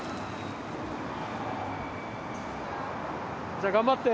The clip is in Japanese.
じゃあ頑張って！